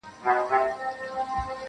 • ستا له وېشه مي زړه شین دی له تش جامه -